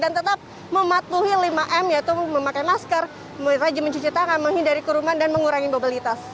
dan tetap mematuhi lima m yaitu memakai masker rajin mencuci tangan menghindari keruman dan mengurangi mobilitas